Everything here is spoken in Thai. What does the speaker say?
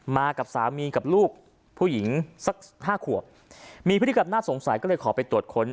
มากับสามีกับลูกผู้หญิงสักห้าขวบมีพฤติกรรมน่าสงสัยก็เลยขอไปตรวจค้น